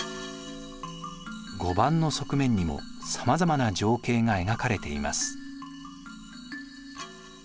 碁盤の側面にもさまざまな情景が描かれています。